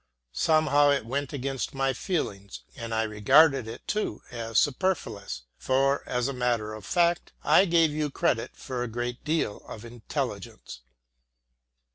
Somehow it went against my feelings, and I regarded it too as superfluous; for, as a matter of fact, I gave you credit for a great deal of intelligence.